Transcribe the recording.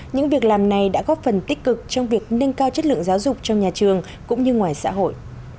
những việc làm này đã góp phần tích cực trong việc nâng cao chất lượng giáo dục trong nhà trường cũng như ngoài xã hội